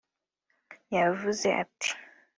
yavuze ati